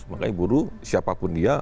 makanya buruh siapapun dia